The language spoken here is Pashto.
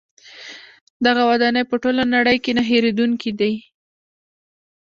دغه ودانۍ په ټوله نړۍ کې نه هیریدونکې دي.